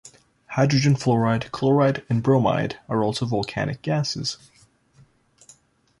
Hydrogen fluoride, chloride and bromide are also volcanic gases.